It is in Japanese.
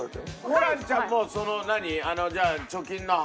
ホランちゃんもその何？